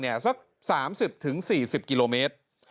สัก๓๐๔๐กิโลเมตร